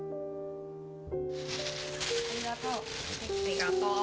ありがとう。